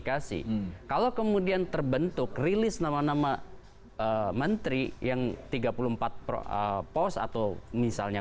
kasih kalau kemudian terbentuk rilis nama nama menteri yang tiga puluh empat pos atau misalnya